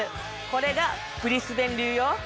これがブリスベン流よ。